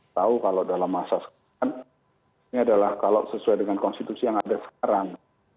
tahu kalau dalam masa sekarang ini adalah kalau sesuai dengan konstitusi yang ada sekarang